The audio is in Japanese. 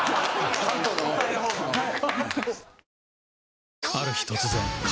はい。